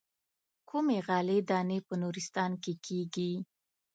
کومې غلې دانې په نورستان کې کېږي.